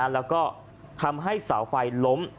แล้วก็ทำให้เสาไฟล้ม